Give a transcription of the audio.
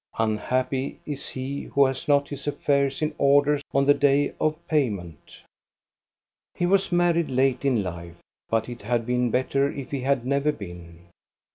Unhappy is he who has not his affairs in order on the day of payment ! He was married late in life, but it had been better if he had never been.